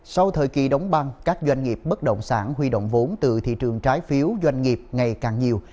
sau thời kỳ đóng băng các doanh nghiệp bất động sản huy động vốn từ thị trường trái phiếu doanh nghiệp ngày càng nhiều